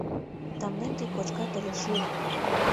Тамлен тый кочкат ыле шӱрым.